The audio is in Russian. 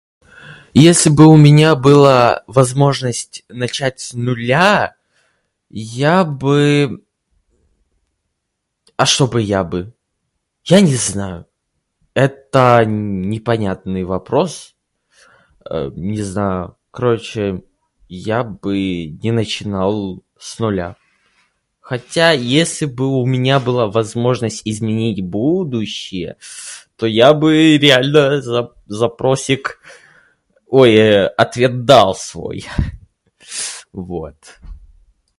Если бы у меня была возможность начать с нуля, я бы... А что бы я бы? Я не знаю. Это н-непонятный вопрос, [disfluency|э], не знаю. Короче, я бы не начинал с нуля. Хотя если бы у меня была возможность изменить будущее, [disfluency|с-с-с], то я бы реально зап- запросик, ой, ответ дал свой [disfluency|с-с-с], вот.